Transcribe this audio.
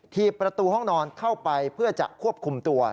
ถีบประตูห้องนอนเข้าไปเพื่อจะควบคุมตัว